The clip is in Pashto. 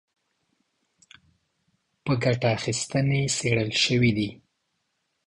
په ګټه اخیستنې څېړل شوي دي